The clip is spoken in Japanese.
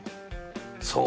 そう。